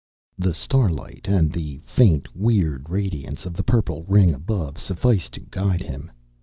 The starlight and the faint weird radiance of the purple ring above sufficed to guide him.